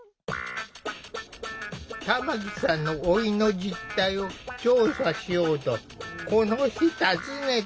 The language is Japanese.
玉木さんの老いの実態を調査しようとこの日訪ねたのは。